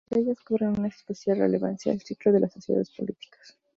Entre ellas cobran una especial relevancia "El ciclo de las sociedades políticas.